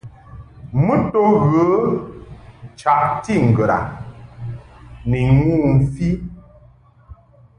Mɨ to ghə chaʼti ŋgəd a ni ŋu mfi.